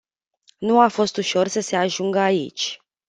Nu a fost ușor să se ajungă aici.